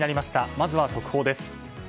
まずは速報です。